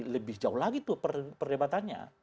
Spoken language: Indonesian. lebih jauh lagi tuh perdebatannya